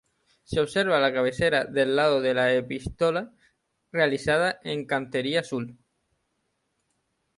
Se observa la cabecera del lado de la Epístola, realizada en cantería azul.